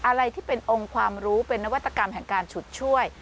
อะไรที่เป็นองค์ความรู้เป็นนวัตกรรมแห่งการฉุดช่วย